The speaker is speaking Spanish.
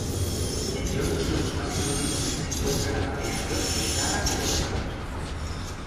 Entre otros usos más exóticos se encuentra la fabricación de guitarras y de órganos.